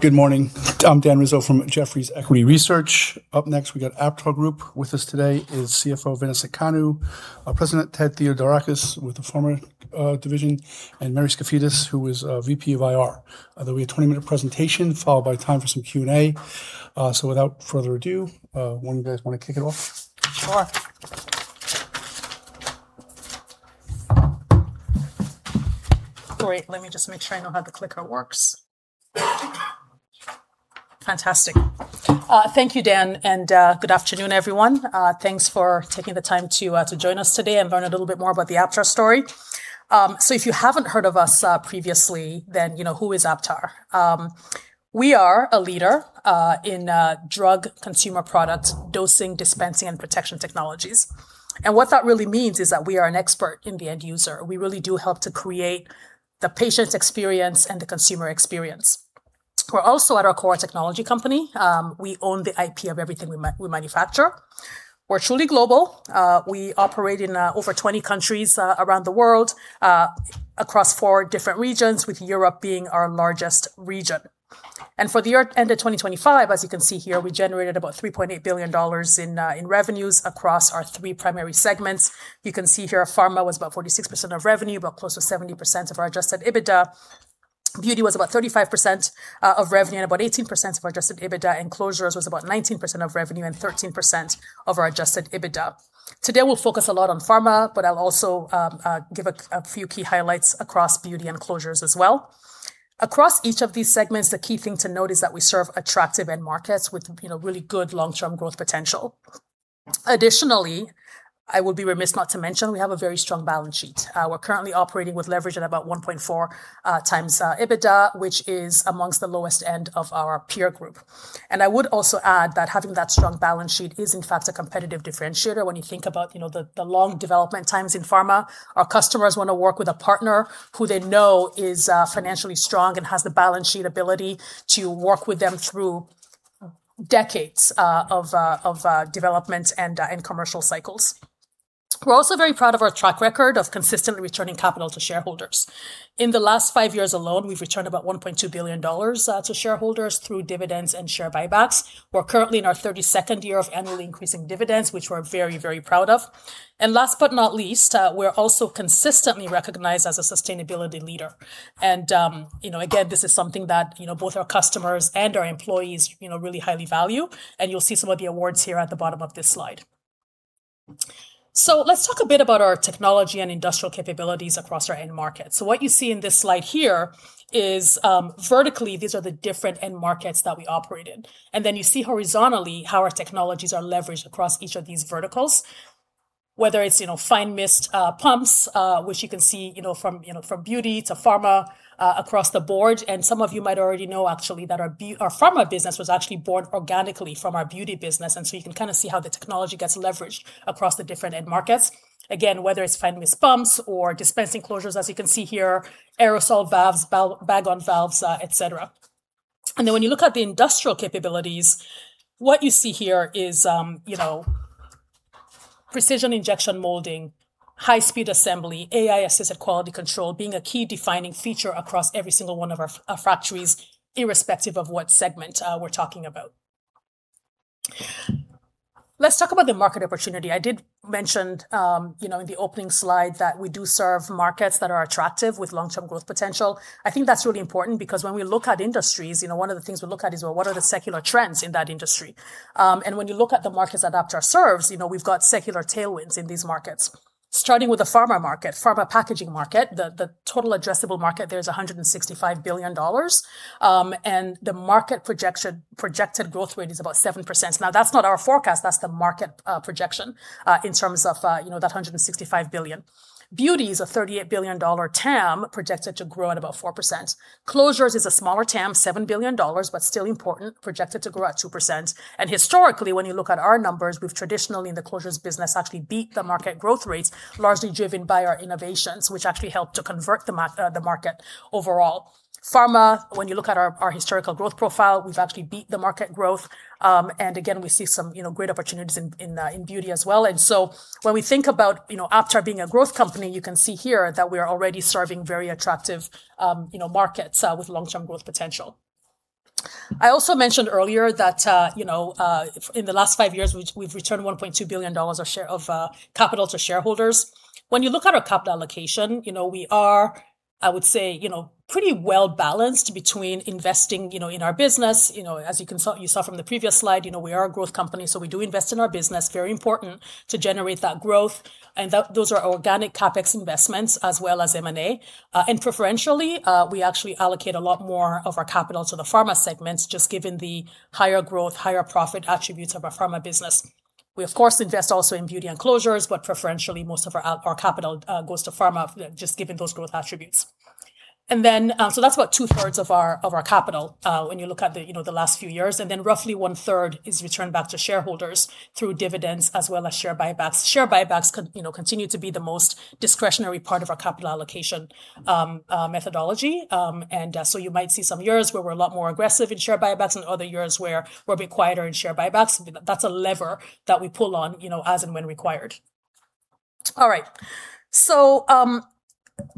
Good morning. I'm Daniel Rizzo from Jefferies Equity Research. Up next, we've got AptarGroup. With us today is CFO Vanessa Kanu, President Theodorakis with the Pharma division, and Mary Skafidas, who is VP of IR. There'll be a 20-minute presentation, followed by time for some Q&A. Without further ado, one of you guys want to kick it off? Sure. Great. Let me just make sure I know how the clicker works. Fantastic. Thank you, Dan, good afternoon, everyone. Thanks for taking the time to join us today and learn a little bit more about the Aptar story. If you haven't heard of us previously, you know, who is Aptar? We are a leader in drug consumer product dosing, dispensing, and protection technologies. What that really means is that we are an expert in the end user. We really do help to create the patient's experience and the consumer experience. We're also, at our core, a technology company. We own the IP of everything we manufacture. We're truly global. We operate in over 20 countries around the world, across four different regions, with Europe being our largest region. For the year ended 2025, as you can see here, we generated about $3.8 billion in revenues across our three primary segments. You can see here, Pharma was about 46% of revenue, about close to 70% of our adjusted EBITDA. Beauty was about 35% of revenue and about 18% of our adjusted EBITDA. Closures was about 19% of revenue and 13% of our adjusted EBITDA. Today, we'll focus a lot on Pharma, but I'll also give a few key highlights across Beauty and Closures as well. Across each of these segments, the key thing to note is that we serve attractive end markets with really good long-term growth potential. Additionally, I would be remiss not to mention we have a very strong balance sheet. We're currently operating with leverage at about 1.4x EBITDA, which is amongst the lowest end of our peer group. I would also add that having that strong balance sheet is, in fact, a competitive differentiator when you think about the long development times in pharma. Our customers want to work with a partner who they know is financially strong and has the balance sheet ability to work with them through decades of development and commercial cycles. We're also very proud of our track record of consistently returning capital to shareholders. In the last five years alone, we've returned about $1.2 billion to shareholders through dividends and share buybacks. We're currently in our 32nd year of annually increasing dividends, which we're very proud of. Last but not least, we're also consistently recognized as a sustainability leader. Again, this is something that both our customers and our employees really highly value, and you'll see some of the awards here at the bottom of this slide. Let's talk a bit about our technology and industrial capabilities across our end markets. What you see in this slide here is, vertically, these are the different end markets that we operate in. Then you see horizontally how our technologies are leveraged across each of these verticals, whether it's fine mist pumps, which you can see from beauty to pharma across the board. Some of you might already know, actually, that our pharma business was actually born organically from our beauty business. You can kind of see how the technology gets leveraged across the different end markets. Again, whether it's fine mist pumps or dispensing closures, as you can see here, aerosol valves, Bag-on-Valve valves, et cetera. When you look at the industrial capabilities, what you see here is precision injection molding, high-speed assembly, AI-assisted quality control being a key defining feature across every single one of our factories, irrespective of what segment we're talking about. Let's talk about the market opportunity. I did mention in the opening slide that we do serve markets that are attractive with long-term growth potential. I think that's really important because when we look at industries, one of the things we look at is, well, what are the secular trends in that industry? When you look at the markets that Aptar serves, we've got secular tailwinds in these markets. Starting with the pharma market, pharma packaging market, the total addressable market there is $165 billion, the market projected growth rate is about 7%. Now, that's not our forecast, that's the market projection in terms of that $165 billion. Beauty is a $38 billion TAM projected to grow at about 4%. Closures is a smaller TAM, $7 billion, but still important, projected to grow at 2%. Historically, when you look at our numbers, we've traditionally, in the Closures business, actually beat the market growth rates, largely driven by our innovations, which actually helped to convert the market overall. Pharma, when you look at our historical growth profile, we've actually beat the market growth. Again, we see some great opportunities in beauty as well. So when we think about Aptar being a growth company, you can see here that we are already serving very attractive markets with long-term growth potential. I also mentioned earlier that in the last five years, we've returned $1.2 billion of capital to shareholders. When you look at our capital allocation, we are, I would say, pretty well-balanced between investing in our business. As you saw from the previous slide, we are a growth company. We do invest in our business. Very important to generate that growth, those are organic CapEx investments as well as M&A. Preferentially, we actually allocate a lot more of our capital to the pharma segments, just given the higher growth, higher profit attributes of our pharma business. We, of course, invest also in beauty and closures. Preferentially, most of our capital goes to pharma, just given those growth attributes. That's about two-thirds of our capital when you look at the last few years. Then roughly one-third is returned back to shareholders through dividends as well as share buybacks. Share buybacks continue to be the most discretionary part of our capital allocation methodology. You might see some years where we're a lot more aggressive in share buybacks and other years where we're a bit quieter in share buybacks. That's a lever that we pull on as and when required. All right.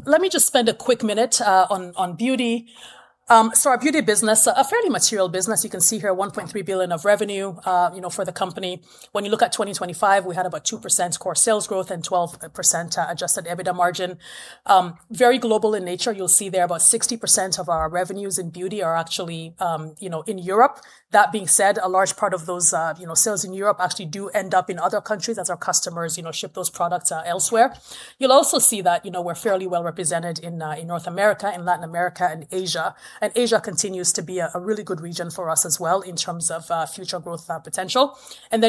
Let me just spend a quick minute on beauty. Our beauty business, a fairly material business. You can see here, $1.3 billion of revenue for the company. When you look at 2025, we had about 2% core sales growth and 12% adjusted EBITDA margin. Very global in nature. You'll see there about 60% of our revenues in beauty are actually in Europe. That being said, a large part of those sales in Europe actually do end up in other countries as our customers ship those products elsewhere. You'll also see that we're fairly well represented in North America and Latin America and Asia. Asia continues to be a really good region for us as well in terms of future growth potential.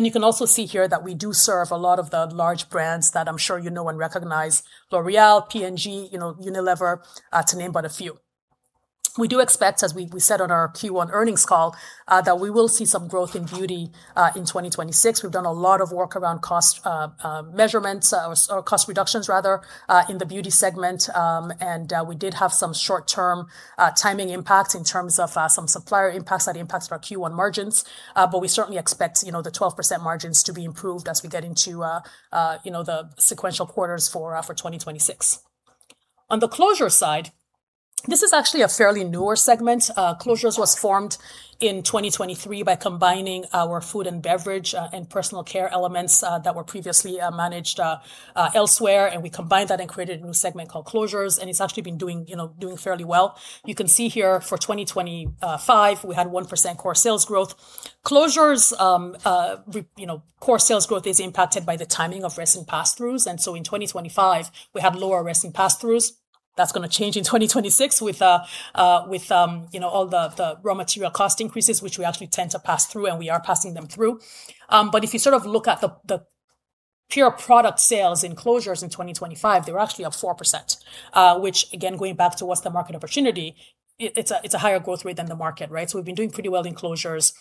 You can also see here that we do serve a lot of the large brands that I'm sure you know and recognize, L'Oréal, P&G, Unilever, to name but a few. We do expect, as we said on our Q1 earnings call, that we will see some growth in beauty in 2026. We've done a lot of work around cost measurements or cost reductions rather, in the beauty segment. We did have some short-term timing impacts in terms of some supplier impacts that impacted our Q1 margins. We certainly expect the 12% margins to be improved as we get into the sequential quarters for 2026. On the Closures side, this is actually a fairly newer segment. Closures was formed in 2023 by combining our food and beverage and personal care elements that were previously managed elsewhere. We combined that and created a new segment called Closures. It's actually been doing fairly well. You can see here for 2025, we had 1% core sales growth. Closures core sales growth is impacted by the timing of resin pass-throughs. In 2025, we had lower resin pass-throughs. That's going to change in 2026 with all the raw material cost increases, which we actually tend to pass through. We are passing them through. If you look at the pure product sales in Closures in 2025, they were actually up 4%, which, again, going back to what's the market opportunity, it's a higher growth rate than the market, right? We've been doing pretty well in Closures.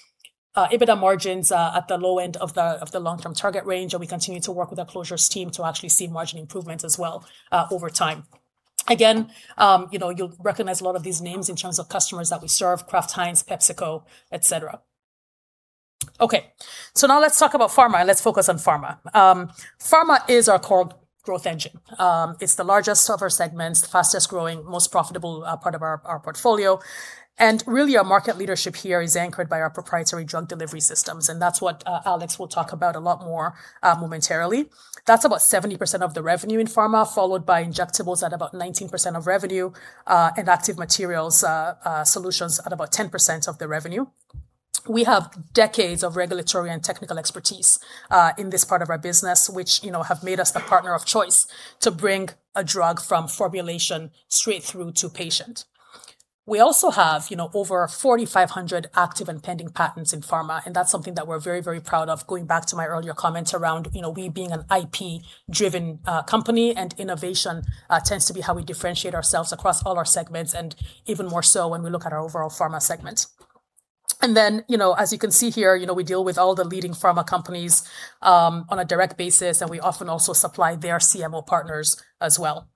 EBITDA margins are at the low end of the long-term target range, and we continue to work with our Closures team to actually see margin improvements as well over time. Again, you'll recognize a lot of these names in terms of customers that we serve, Kraft Heinz, PepsiCo, et cetera. Okay. Now let's talk about Pharma. Let's focus on Pharma. Pharma is our core growth engine. It's the largest of our segments, the fastest-growing, most profitable part of our portfolio. Really, our market leadership here is anchored by our proprietary drug delivery systems, and that's what Alex will talk about a lot more momentarily. That's about 70% of the revenue in Pharma, followed by injectables at about 19% of revenue, and active material solutions at about 10% of the revenue. We have decades of regulatory and technical expertise in this part of our business, which have made us the partner of choice to bring a drug from formulation straight through to patient. We also have over 4,500 active and pending patents in pharma, and that's something that we're very proud of, going back to my earlier comments around we being an IP-driven company, and innovation tends to be how we differentiate ourselves across all our segments, and even more so when we look at our overall pharma segment. As you can see here, we deal with all the leading pharma companies on a direct basis, and we often also supply their CMO partners as well.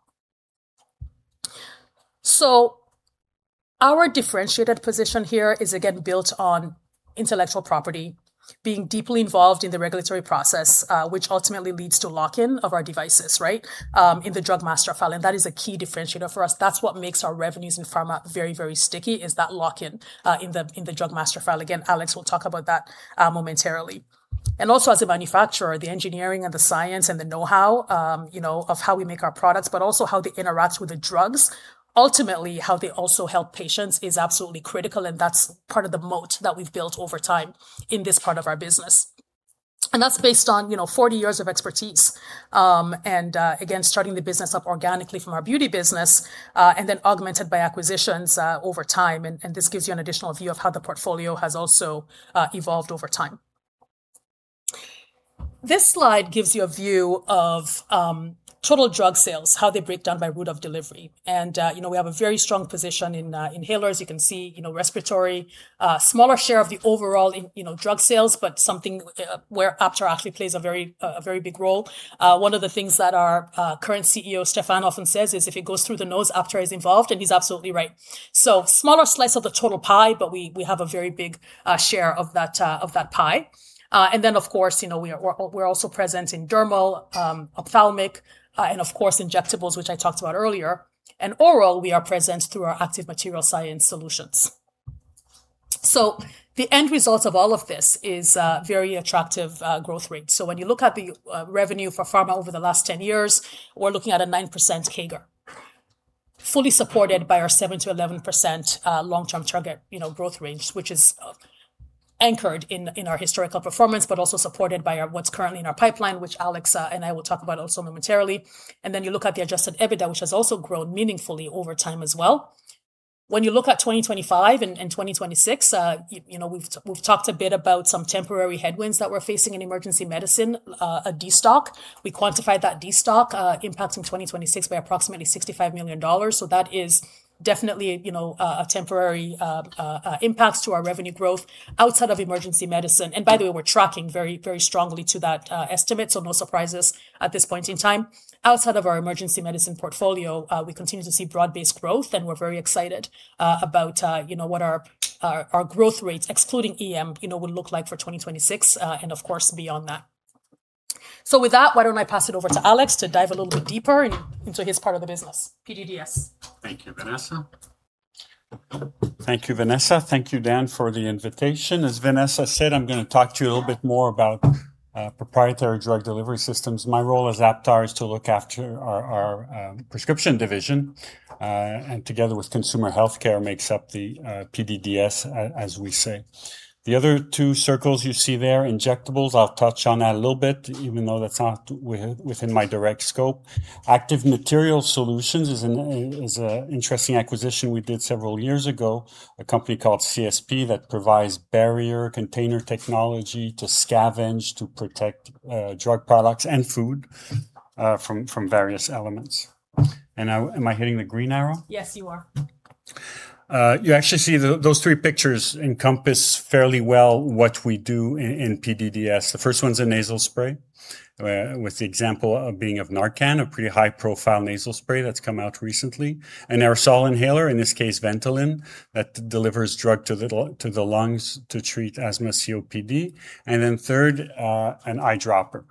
Our differentiated position here is again built on intellectual property, being deeply involved in the regulatory process, which ultimately leads to lock-in of our devices, right, in the Drug Master File, that is a key differentiator for us. That's what makes our revenues in pharma very sticky, is that lock-in in the Drug Master File. Again, Alex will talk about that momentarily. Also as a manufacturer, the engineering and the science and the knowhow of how we make our products, but also how they interact with the drugs, ultimately, how they also help patients is absolutely critical, that's part of the moat that we've built over time in this part of our business. That's based on 40 years of expertise. Again, starting the business up organically from our beauty business, then augmented by acquisitions over time, this gives you an additional view of how the portfolio has also evolved over time. This slide gives you a view of total drug sales, how they break down by route of delivery. We have a very strong position in inhalers. You can see respiratory, a smaller share of the overall in drug sales, but something where Aptar actually plays a very big role. One of the things that our current CEO, Stephan, often says is if it goes through the nose, Aptar is involved, he's absolutely right. Smaller slice of the total pie, but we have a very big share of that pie. Of course, we're also present in dermal, ophthalmic, and of course, injectables, which I talked about earlier. Oral, we are present through our active material science solutions. The end result of all of this is a very attractive growth rate. When you look at the revenue for pharma over the last 10 years, we're looking at a 9% CAGR, fully supported by our 7%-11% long-term target growth range, which is anchored in our historical performance, but also supported by what's currently in our pipeline, which Alex and I will talk about also momentarily. You look at the adjusted EBITDA, which has also grown meaningfully over time as well. When you look at 2025 and 2026, we've talked a bit about some temporary headwinds that we're facing in emergency medicine, a destock. We quantified that destock impacting 2026 by approximately $65 million. That is definitely a temporary impact to our revenue growth outside of emergency medicine. By the way, we're tracking very strongly to that estimate, no surprises at this point in time. Outside of our emergency medicine portfolio, we continue to see broad-based growth, and we're very excited about what our growth rates, excluding EM, will look like for 2026, and of course, beyond that. With that, why don't I pass it over to Alex to dive a little bit deeper into his part of the business, PDDS. Thank you, Vanessa. Thank you, Dan, for the invitation. As Vanessa said, I'm going to talk to you a little bit more about proprietary drug delivery systems. My role as Aptar is to look after our prescription division, and together with consumer healthcare makes up the PDDS, as we say. The other two circles you see there, injectables, I'll touch on that a little bit, even though that's not within my direct scope. active material solutions is an interesting acquisition we did several years ago, a company called CSP that provides barrier container technology to scavenge, to protect drug products and food from various elements. Am I hitting the green arrow? Yes, you are. You actually see those three pictures encompass fairly well what we do in PDDS. The first one's a nasal spray, with the example being of NARCAN, a pretty high-profile nasal spray that's come out recently. An aerosol inhaler, in this case VENTOLIN, that delivers drug to the lungs to treat asthma, COPD. Third, an eyedropper.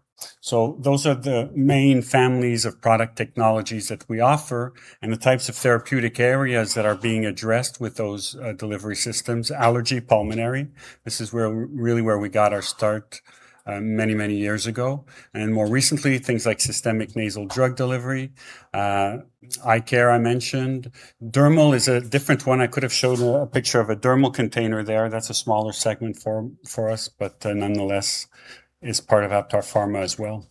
Those are the main families of product technologies that we offer and the types of therapeutic areas that are being addressed with those delivery systems. allergy, pulmonary, this is really where we got our start many, many years ago. More recently, things like systemic nasal drug delivery. eye care, I mentioned. dermal is a different one. I could have shown a picture of a dermal container there. That's a smaller segment for us, but nonetheless is part of Aptar Pharma as well.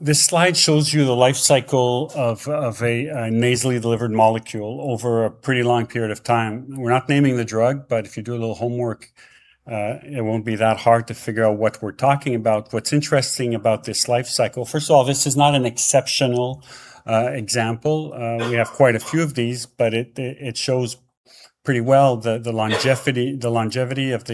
This slide shows you the life cycle of a nasally delivered molecule over a pretty long period of time. We're not naming the drug, but if you do a little homework, it won't be that hard to figure out what we're talking about. What's interesting about this life cycle, first of all, this is not an exceptional example. We have quite a few of these, but it shows pretty well the longevity and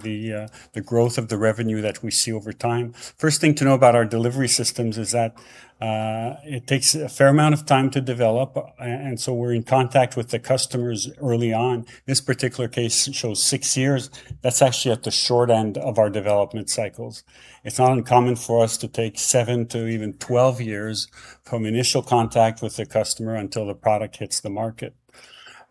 the growth of the revenue that we see over time. First thing to know about our delivery systems is that it takes a fair amount of time to develop, and so we're in contact with the customers early on. This particular case shows six years. That's actually at the short end of our development cycles. It's not uncommon for us to take seven to even 12 years from initial contact with the customer until the product hits the market.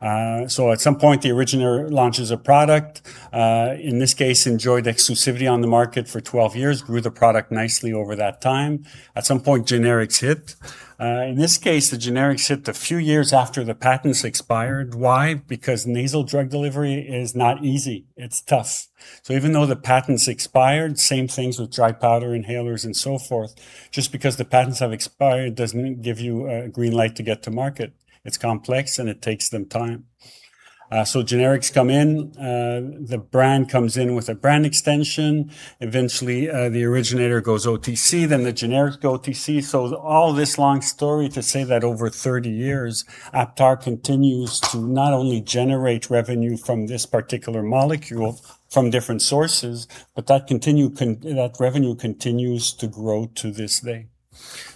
At some point, the originator launches a product. In this case, enjoyed exclusivity on the market for 12 years, grew the product nicely over that time. At some point, generics hit. In this case, the generics hit a few years after the patents expired. Why? Because nasal drug delivery is not easy. It's tough. Even though the patents expired, same things with dry powder inhalers and so forth. Just because the patents have expired doesn't give you a green light to get to market. It's complex, and it takes them time. Generics come in. The brand comes in with a brand extension. Eventually, the originator goes OTC, the generics go OTC. All this long story to say that over 30 years, Aptar continues to not only generate revenue from this particular molecule from different sources, but that revenue continues to grow to this day.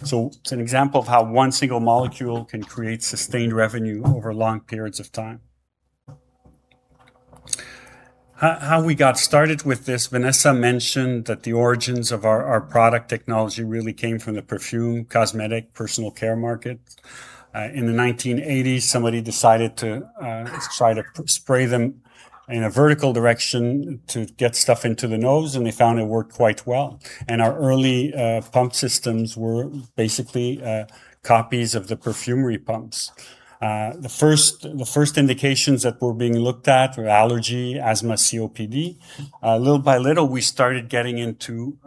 It's an example of how one single molecule can create sustained revenue over long periods of time. How we got started with this, Vanessa mentioned that the origins of our product technology really came from the perfume, cosmetic, personal care market. In the 1980s, somebody decided to try to spray them in a vertical direction to get stuff into the nose, and they found it worked quite well. Our early pump systems were basically copies of the perfumery pumps. The first indications that were being looked at were allergy, asthma, COPD. Little by little, we started getting into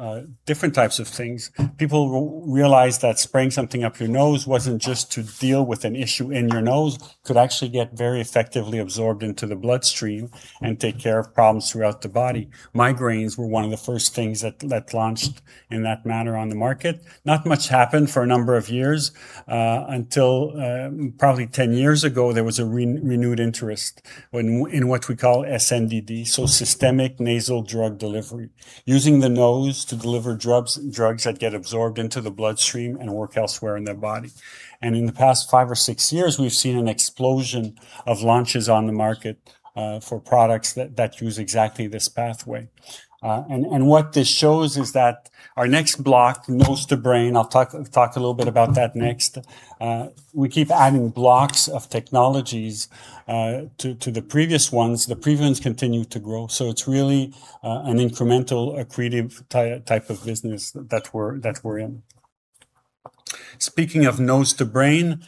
different types of things. People realized that spraying something up your nose wasn't just to deal with an issue in your nose, could actually get very effectively absorbed into the bloodstream and take care of problems throughout the body. Migraines were one of the first things that launched in that manner on the market. Not much happened for a number of years until probably 10 years ago, there was a renewed interest in what we call SNDD, so systemic nasal drug delivery, using the nose to deliver drugs that get absorbed into the bloodstream and work elsewhere in the body. In the past five or six years, we've seen an explosion of launches on the market for products that use exactly this pathway. What this shows is that our next block, nose-to-brain, I'll talk a little bit about that next. We keep adding blocks of technologies to the previous ones. The previous continue to grow. It's really an incremental, accretive type of business that we're in. Speaking of nose-to-brain,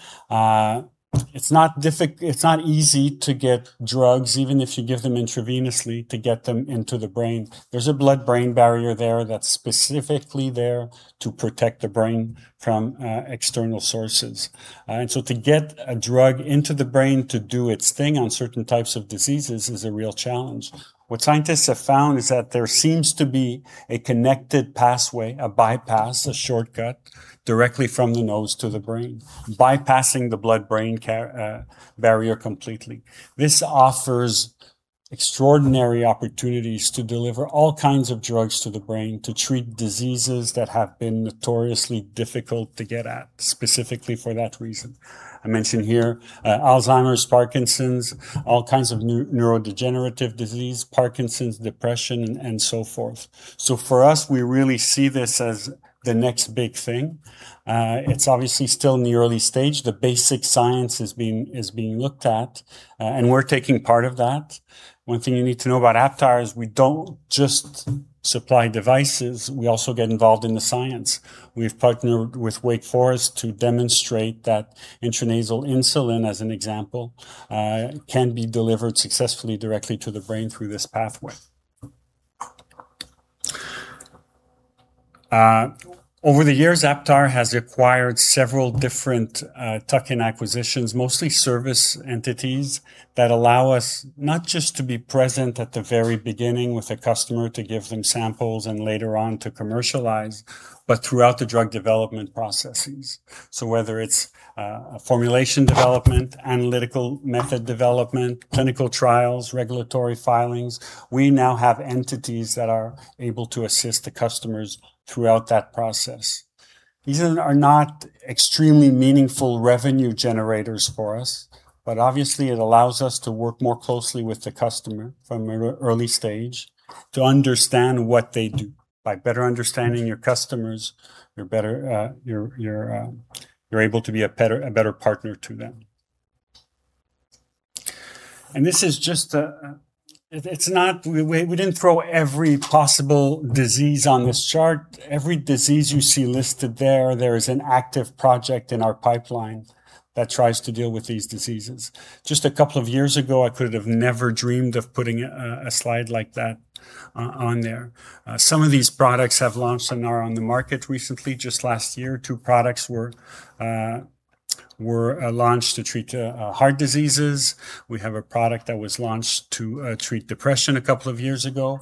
it's not easy to get drugs, even if you give them intravenously, to get them into the brain. There's a blood-brain barrier there that's specifically there to protect the brain from external sources. To get a drug into the brain to do its thing on certain types of diseases is a real challenge. What scientists have found is that there seems to be a connected pathway, a bypass, a shortcut directly from the nose-to-brain, bypassing the blood-brain barrier completely. This offers extraordinary opportunities to deliver all kinds of drugs to the brain to treat diseases that have been notoriously difficult to get at, specifically for that reason. I mention here Alzheimer's, Parkinson's, all kinds of neurodegenerative disease, Parkinson's, depression, and so forth. For us, we really see this as the next big thing. It's obviously still in the early stage. The basic science is being looked at, and we're taking part of that. One thing you need to know about Aptar is we don't just supply devices, we also get involved in the science. We've partnered with Wake Forest to demonstrate that intranasal insulin, as an example, can be delivered successfully directly to the brain through this pathway. Over the years, Aptar has acquired several different tuck-in acquisitions, mostly service entities that allow us not just to be present at the very beginning with a customer to give them samples and later on to commercialize, but throughout the drug development processes. Whether it's formulation development, analytical method development, clinical trials, regulatory filings, we now have entities that are able to assist the customers throughout that process. These are not extremely meaningful revenue generators for us, but obviously it allows us to work more closely with the customer from an early stage to understand what they do. By better understanding your customers, you're able to be a better partner to them. We didn't throw every possible disease on this chart. Every disease you see listed there is an active project in our pipeline that tries to deal with these diseases. Just a couple of years ago, I could have never dreamed of putting a slide like that on there. Some of these products have launched and are on the market recently. Just last year, two products were launched to treat heart diseases. We have a product that was launched to treat depression a couple of years ago.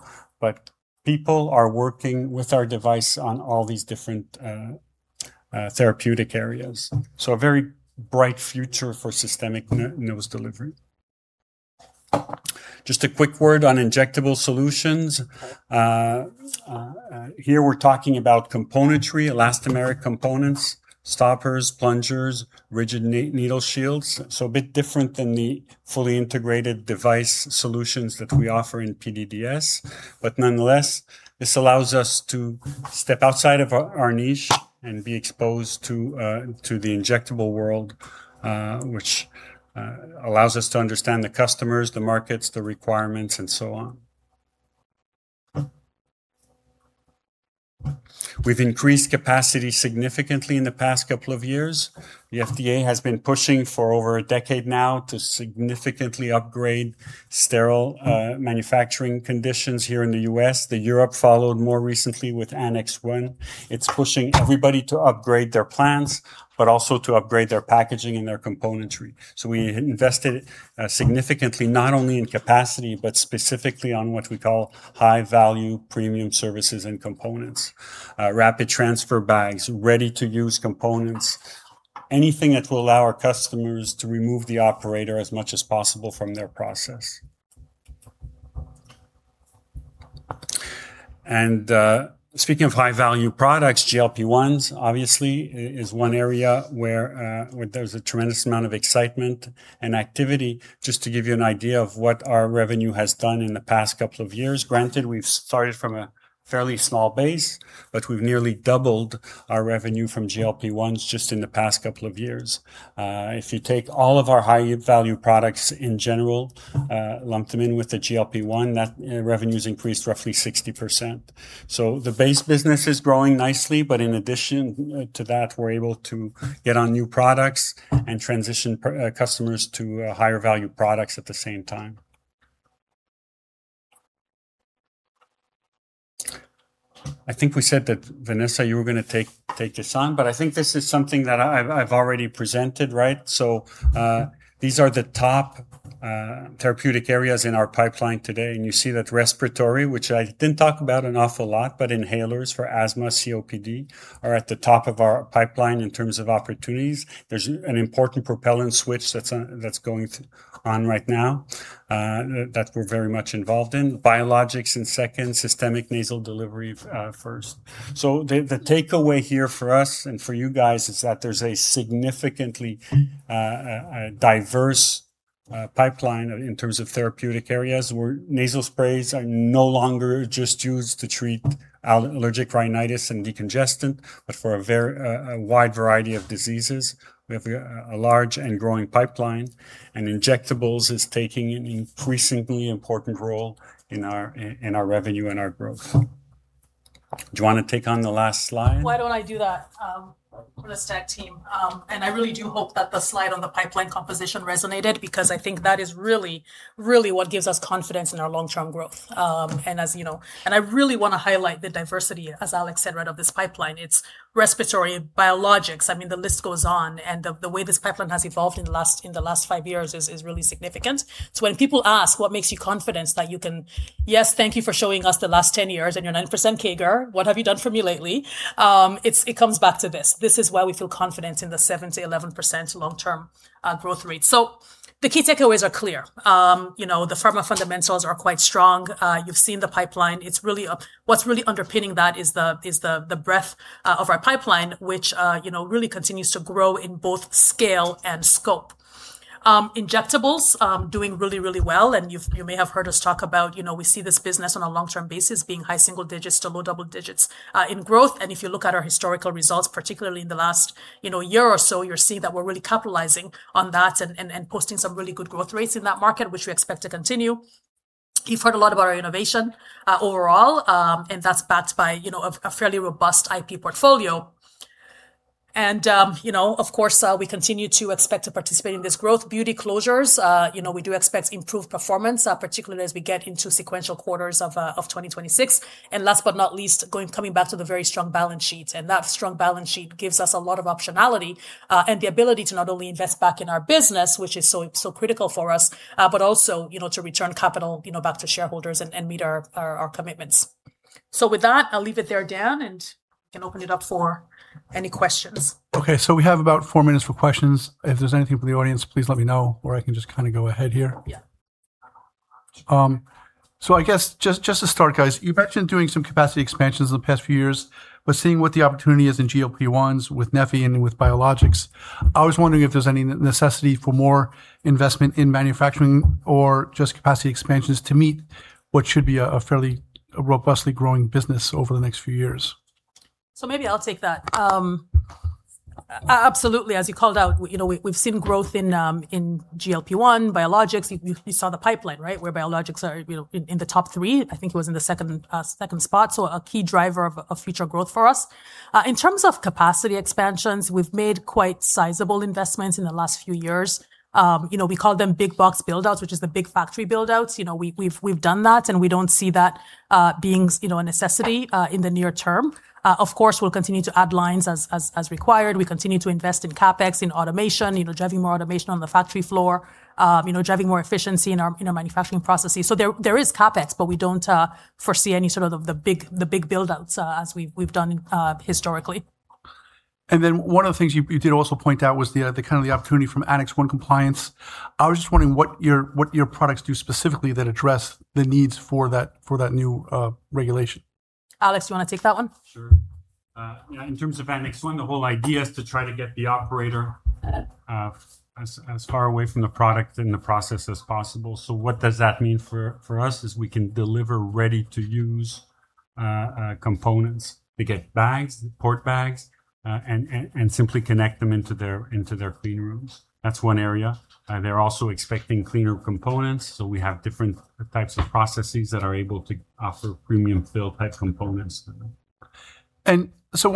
People are working with our device on all these different therapeutic areas. A very bright future for systemic nose delivery. Just a quick word on injectable solutions. Here we're talking about componentry, elastomeric components, stoppers, plungers, rigid needle shields. A bit different than the fully integrated device solutions that we offer in PDDS. Nonetheless, this allows us to step outside of our niche and be exposed to the injectable world, which allows us to understand the customers, the markets, the requirements, and so on. We've increased capacity significantly in the past couple of years. The FDA has been pushing for over a decade now to significantly upgrade sterile manufacturing conditions here in the U.S. Europe followed more recently with Annex 1. It's pushing everybody to upgrade their plants, but also to upgrade their packaging and their componentry. We invested significantly, not only in capacity, but specifically on what we call high-value premium services and components. Rapid transfer bags, ready-to-use components, anything that will allow our customers to remove the operator as much as possible from their process. Speaking of high-value products, GLP-1s obviously is one area where there's a tremendous amount of excitement and activity. Just to give you an idea of what our revenue has done in the past couple of years. Granted, we've started from a fairly small base, but we've nearly doubled our revenue from GLP-1s just in the past couple of years. If you take all of our high-value products in general, lump them in with the GLP-1, that revenue's increased roughly 60%. The base business is growing nicely, but in addition to that, we're able to get on new products and transition customers to higher value products at the same time. I think we said that, Vanessa, you were going to take this on, but I think this is something that I've already presented, right? These are the top therapeutic areas in our pipeline today, and you see that respiratory, which I didn't talk about an awful lot, but inhalers for asthma, COPD, are at the top of our pipeline in terms of opportunities. There's an important propellant switch that's going on right now that we're very much involved in. Biologics in second, systemic nasal delivery first. The takeaway here for us and for you guys is that there's a significantly diverse pipeline in terms of therapeutic areas, where nasal sprays are no longer just used to treat allergic rhinitis and decongestant, but for a wide variety of diseases. We have a large and growing pipeline. Injectables is taking an increasingly important role in our revenue and our growth. Do you want to take on the last slide? Why don't I do that for the stack team? I really do hope that the slide on the pipeline composition resonated, because I think that is really what gives us confidence in our long-term growth. I really want to highlight the diversity, as Alex said, right, of this pipeline. It's respiratory, biologics. I mean, the list goes on, and the way this pipeline has evolved in the last five years is really significant. When people ask, what makes you confident that you can Yes, thank you for showing us the last 10 years and your 9% CAGR. What have you done for me lately? It comes back to this. This is why we feel confident in the 7%-11% long-term growth rate. The key takeaways are clear. The pharma fundamentals are quite strong. You've seen the pipeline. What's really underpinning that is the breadth of our pipeline, which really continues to grow in both scale and scope. Injectables, doing really well. You may have heard us talk about, we see this business on a long-term basis being high single-digits to low double-digits in growth. If you look at our historical results, particularly in the last year or so, you'll see that we're really capitalizing on that and posting some really good growth rates in that market, which we expect to continue. You've heard a lot about our innovation overall. That's backed by a fairly robust IP portfolio. Of course, we continue to expect to participate in this growth. beauty closures, we do expect improved performance, particularly as we get into sequential quarters of 2026. Last but not least, coming back to the very strong balance sheet, that strong balance sheet gives us a lot of optionality and the ability to not only invest back in our business, which is so critical for us, but also to return capital back to shareholders and meet our commitments. With that, I'll leave it there, Dan, and you can open it up for any questions. Okay, we have about four minutes for questions. If there is anything from the audience, please let me know or I can just go ahead here. Yeah. I guess just to start, guys, you've mentioned doing some capacity expansions in the past few years, but seeing what the opportunity is in GLP-1s with neffy and with biologics, I was wondering if there's any necessity for more investment in manufacturing or just capacity expansions to meet what should be a fairly robustly growing business over the next few years. Maybe I'll take that. Absolutely. As you called out, we've seen growth in GLP-1s, biologics. You saw the pipeline, right? Where biologics are in the top three. I think it was in the second spot. A key driver of future growth for us. In terms of capacity expansions, we've made quite sizable investments in the last few years. We call them big box build-outs, which is the big factory build-outs. We've done that, and we don't see that being a necessity in the near term. Of course, we'll continue to add lines as required. We continue to invest in CapEx, in automation, driving more automation on the factory floor, driving more efficiency in our manufacturing processes. There is CapEx, but we don't foresee any sort of the big build-outs as we've done historically. One of the things you did also point out was the opportunity from Annex 1 compliance. I was just wondering what your products do specifically that address the needs for that new regulation? Alex, you want to take that one? Sure. In terms of Annex 1, the whole idea is to try to get the operator as far away from the product and the process as possible. What does that mean for us is we can deliver ready-to-use components. They get bags, port bags, and simply connect them into their clean rooms. That's one area. They're also expecting cleaner components. We have different types of processes that are able to offer premium fill type components. One of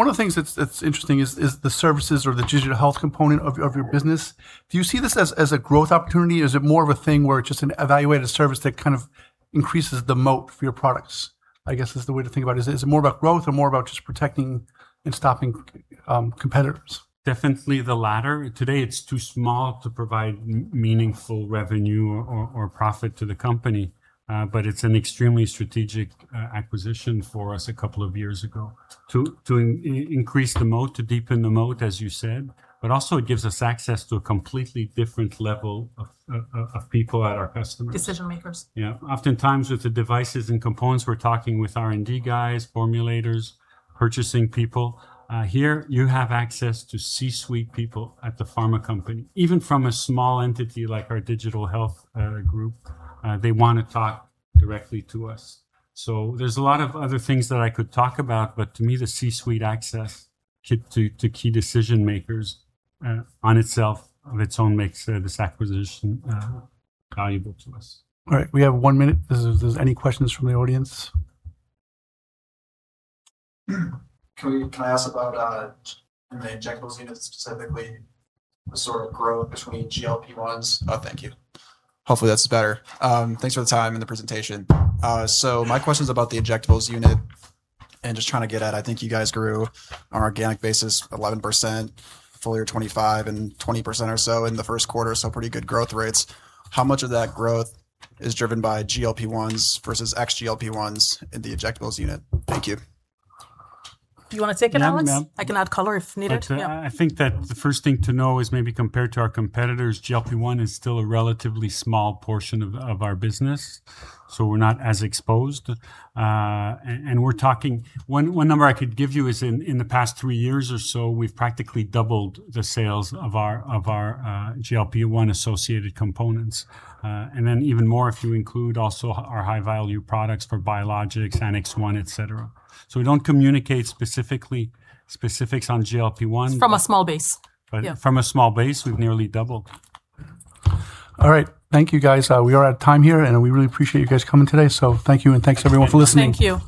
the things that's interesting is the services or the digital health component of your business. Do you see this as a growth opportunity, or is it more of a thing where it's just a value-added service that kind of increases the moat for your products? I guess is the way to think about it. Is it more about growth or more about just protecting and stopping competitors? Definitely the latter. Today, it's too small to provide meaningful revenue or profit to the company. It's an extremely strategic acquisition for us a couple of years ago to increase the moat, to deepen the moat, as you said. Also, it gives us access to a completely different level of people at our customers. Decision-makers. Yeah. Oftentimes with the devices and components, we're talking with R&D guys, formulators, purchasing people. Here, you have access to C-suite people at the pharma company. Even from a small entity like our digital health group, they want to talk directly to us. There's a lot of other things that I could talk about, but to me, the C-suite access to key decision-makers on itself, of its own, makes this acquisition valuable to us. All right. We have one minute if there's any questions from the audience. Can I ask about, in the injectables unit specifically, the sort of growth between GLP-1s? Thank you. Hopefully, that's better. Thanks for the time and the presentation. My question's about the injectables unit and just trying to get at, I think you guys grew on an organic basis 11% full year 2025 and 20% or so in the first quarter, so pretty good growth rates. How much of that growth is driven by GLP-1s versus ex GLP-1s in the injectables unit? Thank you. Do you want to take it, Alex? Yeah. I can add color if needed. Yeah. I think that the first thing to know is maybe compared to our competitors, GLP-1 is still a relatively small portion of our business, so we're not as exposed. We're talking, one number I could give you is in the past three years or so, we've practically doubled the sales of our GLP-1 associated components, and then even more if you include also our high-value products for biologics, Annex 1, et cetera. We don't communicate specifics on GLP-1. It's from a small base. Yeah. From a small base, we've nearly doubled. All right. Thank you guys. We are at time here, and we really appreciate you guys coming today. Thank you, and thanks everyone for listening. Thank you.